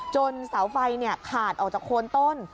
เสาไฟขาดออกจากโคนต้น